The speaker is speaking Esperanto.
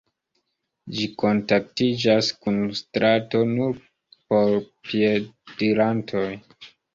Ĝi kontaktiĝas kun strato nur por piedirantoj.